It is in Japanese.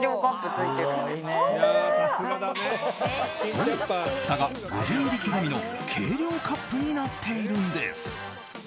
そう、ふたが５０ミリリットル刻みの計量カップになっているんです。